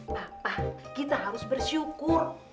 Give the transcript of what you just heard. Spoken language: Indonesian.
bapak kita harus bersyukur